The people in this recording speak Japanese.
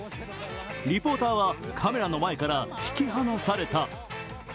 リポーターはカメラの前から引き離された。